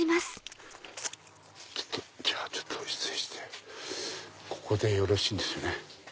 じゃあちょっと失礼してここでよろしいんですよね。